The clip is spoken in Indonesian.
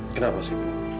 kenapa sih ibu